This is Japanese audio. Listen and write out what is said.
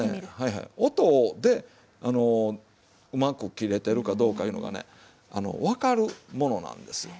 音でうまく切れてるかどうかいうのがね分かるものなんですよ。